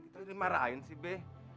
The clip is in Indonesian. kita dimarahin sih be